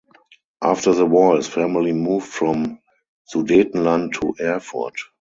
After the war his family moved from Sudetenland to Erfurt.